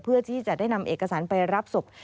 เพื่อที่จะได้นำเอกสารไปรับศพ